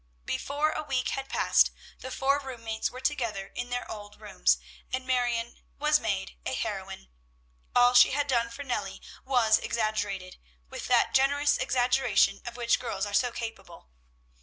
Before a week had passed, the four room mates were together in their old rooms, and Marion was made a heroine. All she had done for Nellie was exaggerated, with that generous exaggeration of which girls are so capable.